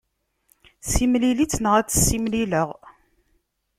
Simlil-itt neɣ ad tt-simlileɣ.